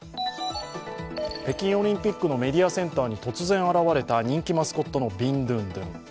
北京オリンピックのメディアセンターに突然現れた人気マスコットのビンドゥンドゥン。